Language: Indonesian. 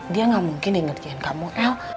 dia gak mungkin ngerjain kamu el